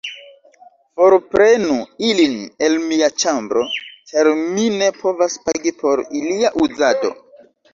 Forprenu ilin el mia ĉambro, ĉar mi ne povas pagi por ilia uzado.